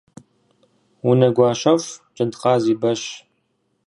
Унэгуащэфӏ джэдкъаз и бэщ.